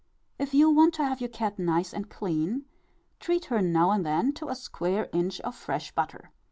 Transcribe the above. If you want to have your cat nice and clean, treat her now and then to a square inch of fresh butter.